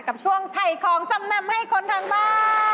กับช่วงถ่ายของจำนำให้คนทางบ้าน